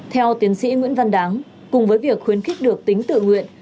theo tiến sĩ nguyễn văn đáng cùng với việc khuyến khích được tính tự nguyện